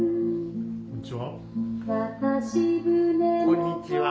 こんにちは。